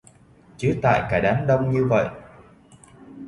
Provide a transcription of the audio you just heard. chứ tại cả đám đông như vậy